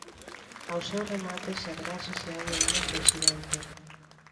Ao seu remate, saberase se hai ou non presidente.